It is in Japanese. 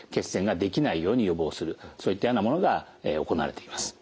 そういったようなものが行われています。